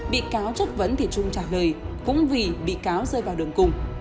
bị cáo chất vấn thì trung trả lời cũng vì bị cáo rơi vào đường cùng